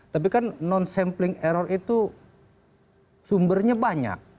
tapi kan non sampling error itu sumbernya banyak